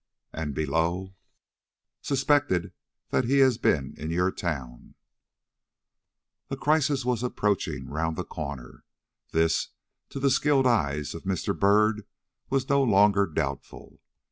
"And below: "Suspected that he has been in your town." A crisis was approaching round the corner. This, to the skilled eyes of Mr. Byrd, was no longer doubtful.